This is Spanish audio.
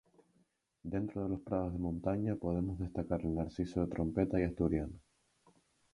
Dentro de los prados de montaña podemos destacar el narciso de trompeta y asturiano.